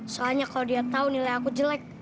soalnya kalau dia tahu nilai aku jelek